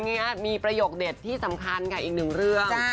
นี้มีประโยคเด็ดที่สำคัญค่ะอีกหนึ่งเรื่อง